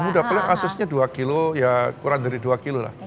lebih mudah paling asesnya dua kilo kurang dari dua kilo lah